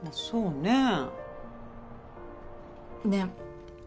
そうね。